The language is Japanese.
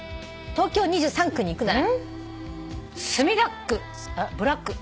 「東京２３区に行くなら」